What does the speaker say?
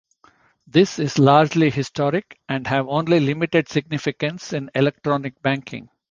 This is largely historic and have only limited significance in electronic banking.